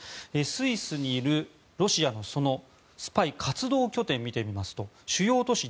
スイスにいるロシアのスパイ活動拠点を見てみますと主要都市